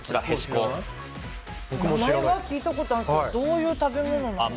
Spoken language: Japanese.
名前は聞いたことあるんですけどどういう食べ物なのか。